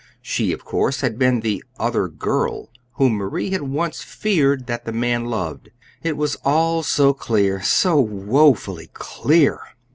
She, of course, had been the "other girl" whom Marie had once feared that the man loved. It was all so clear so woefully clear!